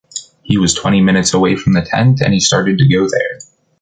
He was twenty minutes away from the tent, and he started to go there.